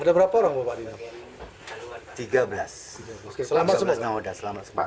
ada berapa orang pak